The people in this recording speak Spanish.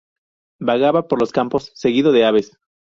Vagaba por los campos, seguido de aves.